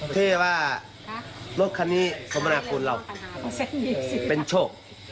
ที่ว่ารถคันนี้คมนาคูณเราเป็นโชค